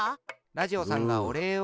ラジオさんがおれいを。